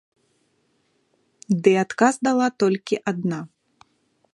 Ды адказ дала толькі адна.